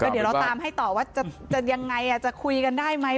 เดี๋ยวเราตามให้ต่อว่าจะยังไงจะคุยกันได้ไหม